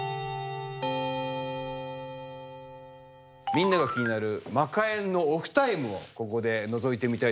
みんなが気になるマカえんのオフタイムをここでのぞいてみたいと思います。